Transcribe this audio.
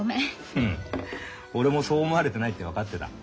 フッ俺もそう思われてないって分かってた。